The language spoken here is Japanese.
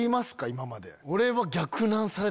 今まで。